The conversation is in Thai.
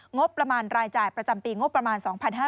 งบประมาณรายจ่ายประจำปีงบประมาณ๒๕๕๙